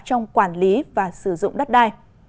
trong quản lý và sử dụng đất đai